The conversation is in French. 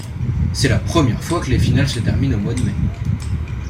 C'est la première fois que les finales se terminent au mois de mai.